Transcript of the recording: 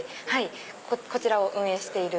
こちらを運営している。